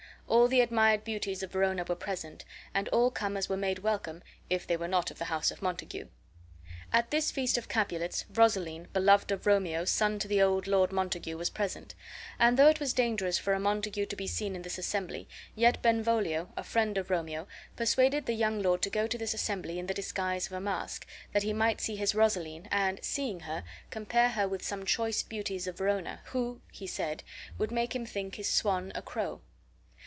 All the admired beauties of Verona were present, and all comers were made welcome if they were not of the house of Montague. At this feast of Capulets, Rosaline, beloved of Romeo, son to the old Lord Montague, was present; and though it was dangerous for a Montague to be seen in this assembly, yet Benvolio, a friend of Romeo, persuaded the young lord to go to this assembly in the disguise of a mask, that he might see his Rosaline, and, seeing her, compare her with some choice beauties of Verona, who (he said) would make him think his swan a crow.